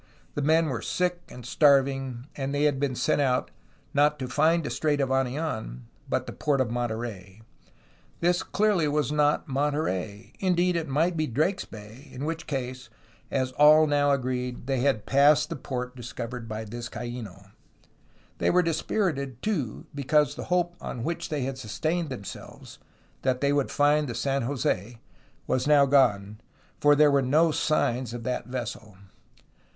The men were sick and starving, and they had been sent out, not to find a Strait of Anidn, but the port of Monterey. This clearly was not Monterey; indeed, it might be Drake's Bay, in which case, as all now agreed, they had passed the port discovered by Vizcaino. They were dispirited, too, because the hope on which they had sustained themselves — ^that they would find the San Jose — ^was now gone, for there were no signs of that vessel.